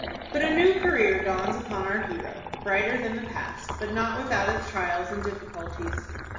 But a new career dawns upon our hero, brighter than the past, but not without its trials and difficulties.